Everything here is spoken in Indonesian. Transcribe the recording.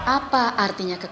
apa artinya kekejutan